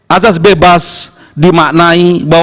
asas bebas dimaknai bahwa